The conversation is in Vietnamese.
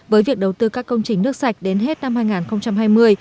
với việc đầu tư các công trình nước sạch đến hết năm hai nghìn hai mươi